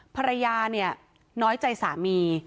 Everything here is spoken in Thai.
ภรรยาเนี่ยน้อยใจสามี